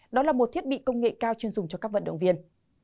đó là một thiết bị công nghệ cao chuyên dùng cho các vận động viên